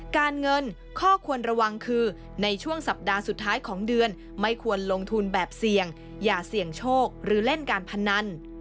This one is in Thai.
การเงินข้อควรระวังคือในช่วงสัปดาห์สุดท้ายของเดือนไม่ควรลงทุนแบบเสี่ยงอย่าเสี่ยงโชคหรือเล่นการพนัน